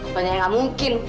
pokoknya gak mungkin